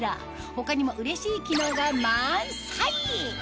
他にもうれしい機能が満載！